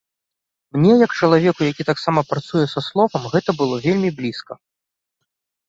Мне як чалавеку, які таксама працуе са словам, гэта было вельмі блізка.